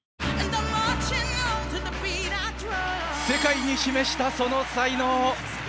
世界に示した、その才能。